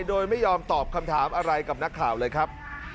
โดยไม่ยอมตอบคำถามอะไรกับนักข่าวเลยครับ